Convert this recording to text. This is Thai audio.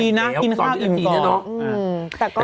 ดีน่ะกินของออร์แกนิคก็สงสารผู้ประกอบการไม่อยากไปซ้ำเติมอะไรแข็งแด๋ว